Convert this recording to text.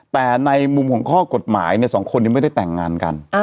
แต่ในมุมของข้อกฎหมายเนี่ยสองคนยังไม่ได้แต่งงานกัน